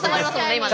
今ね。